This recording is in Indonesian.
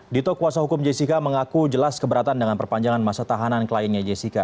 dito kuasa hukum jessica mengaku jelas keberatan dengan perpanjangan masa tahanan kliennya jessica